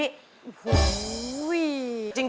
โอ้โห